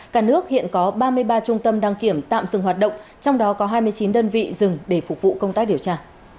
cả nước hiện có ba mươi ba trung tâm đăng kiểm tạm dừng hoạt động trong đó có hai mươi chín đơn vị dừng để phục vụ công tác điều tra